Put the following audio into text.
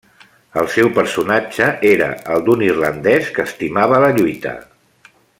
El seu personatge era el d'un Irlandès que estimava la lluita.